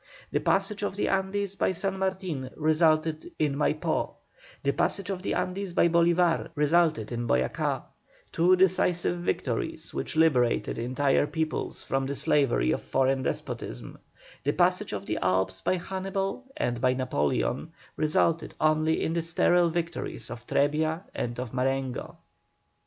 The passage of the Andes by San Martin resulted in Maipó; the passage of the Andes by Bolívar resulted in Boyacá; two decisive victories which liberated entire peoples from the slavery of foreign despotism; the passages of the Alps by Hannibal and by Napoleon resulted only in the sterile victories of Trebia and of Marengo.